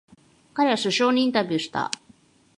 彼は首相にインタビューした。